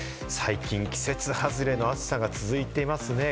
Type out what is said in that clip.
最近、季節外れの暑さが続いていますね。